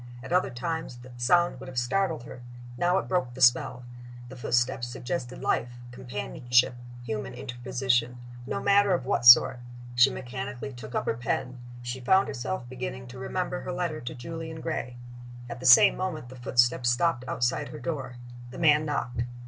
At other times the sound would have startled her: now it broke the spell. The footsteps suggested life, companionship, human interposition no matter of what sort. She mechanically took up her pen; she found herself beginning to remember her letter to Julian Gray. At the same moment the footsteps stopped outside her door. The man knocked.